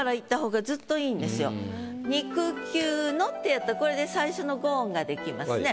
「肉球の」ってやったらこれで最初の５音が出来ますね。